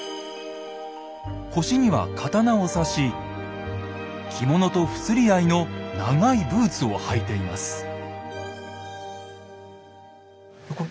腰には刀を差し着物と不釣り合いの長いブーツを履いています。